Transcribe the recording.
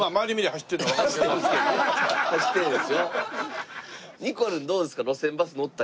走ってるんですよ。